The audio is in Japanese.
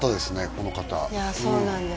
この方いやそうなんです